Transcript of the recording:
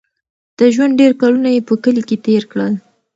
د ژوند ډېر کلونه یې په کلي کې تېر کړل.